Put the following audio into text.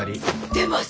出ます！